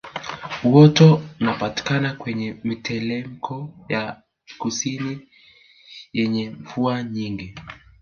Uoto unapatikana kwenye mitelemko ya kusini yenye mvua nyingi